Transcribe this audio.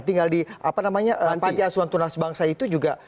tinggal di panti asuhan tunas bangsa itu juga